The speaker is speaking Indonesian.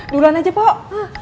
duluan aja poh